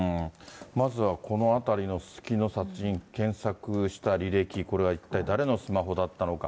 まずはこのあたりのすすきの・殺人、検索した履歴、これは一体誰のスマホだったのか。